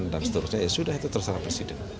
seterusnya ya sudah itu terserah presiden